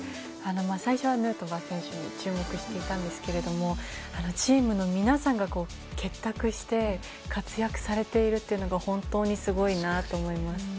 最初はヌートバー選手に注目していたんですけどチームの皆さんが結託して活躍されているというのが本当にすごいなと思います。